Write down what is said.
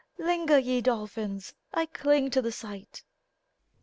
Linger, ye dolphins ! I cling to the sight.